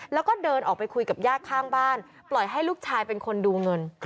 แล้วก็เดินออกไปคุยกับญาติข้างบ้านปล่อยให้ลูกชายเป็นคนดูเงิน